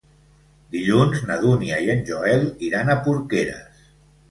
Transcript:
Dilluns na Dúnia i en Joel iran a Porqueres.